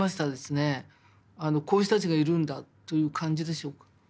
こういう人たちがいるんだという感じでしょうか。